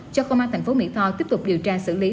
cho công an tp mỹ tho tiếp tục điều tra xử lý